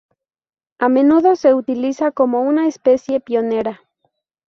A menudo se utiliza como una especie pionera.